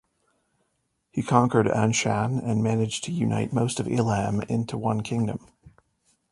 He conquered Anshan and managed to unite most of Elam into one kingdom.